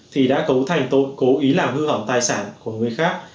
thì đã cấu thành tội cố ý làm hư hỏng tài sản của người khác